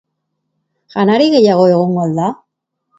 Janari gehiago egongo al da?